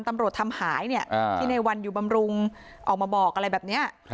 ตำรวจทำหายที่ในวันอยู่บำรุงออกมาบอกอะไรแบบนี้